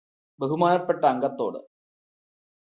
ബഹുമാനപ്പെട്ട അംഗത്തോട്